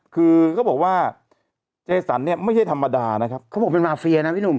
คือเขาบอกว่าเจสันเนี่ยไม่ใช่ธรรมดานะครับเขาบอกเป็นมาเฟียนะพี่หนุ่ม